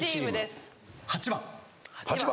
８番。